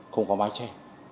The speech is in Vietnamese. không có mái che